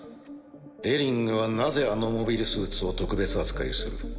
デリングはなぜあのモビルスーツを特別扱いする？